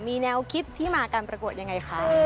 มีแนวคิดที่มาการประกวดยังไงคะ